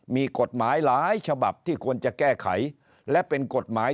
มีกฎหมายหลายฉบับที่ควรจะแก้ไขและเป็นกฎหมาย